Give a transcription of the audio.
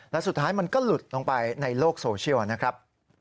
แล้วสุดท้ายมันก็หลุดลงไปในโลกโซเชียลนะครับ